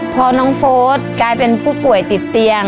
พอน้องโฟสกลายเป็นผู้ป่วยติดเตียง